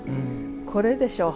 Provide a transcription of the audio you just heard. これでしょ。